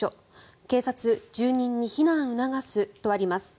警察、住人に避難促すとあります。